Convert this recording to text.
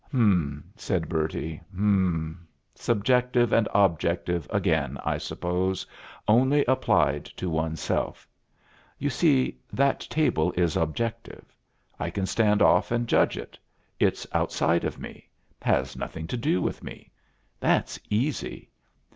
"Hm!" said Bertie. "Hm! Subjective and objective again, I suppose, only applied to oneself. You see, that table is objective. I can stand off and judge it. It's outside of me; has nothing to do with me. That's easy.